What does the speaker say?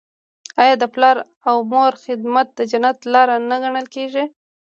آیا د پلار او مور خدمت د جنت لاره نه ګڼل کیږي؟